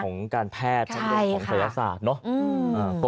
ของการแพทย์ของศัลยศาสตร์เนอะ